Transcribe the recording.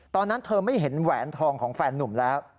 ตอนนั้นเธอไม่เห็นแหวนทองของแฟนนุ่มแล้ว